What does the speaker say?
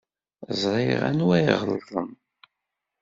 Ẓriɣ anwa iɣelḍen.